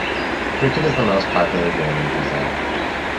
Cricket is the most popular game in Vizag.